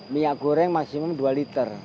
minyak goreng maksimum dua liter